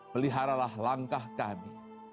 pelihara lah langkah kami